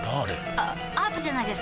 あアートじゃないですか？